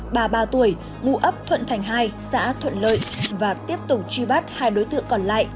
bà ba tuổi ngụ ấp thuận thành hai xã thuận lợi và tiếp tục truy bắt hai đối tượng còn lại